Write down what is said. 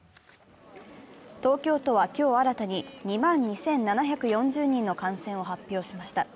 東京都は今日新たに２万２７４０人の感染を発表しました。